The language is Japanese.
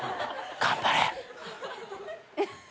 頑張れ。